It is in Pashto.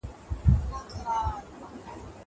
زه مکتب نه خلاصیږم.